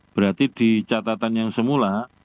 berarti di catatan yang semula